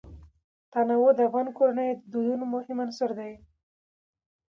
تنوع د افغان کورنیو د دودونو مهم عنصر دی.